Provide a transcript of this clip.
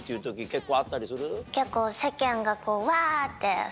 結構。